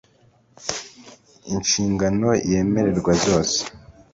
inshingano yemererwa zose